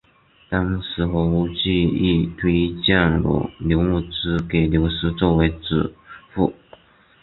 当时何无忌亦推荐了刘穆之给刘裕作为主簿。